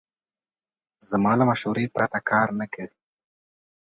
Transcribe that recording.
زما له مشورې پرته کار نه کوي.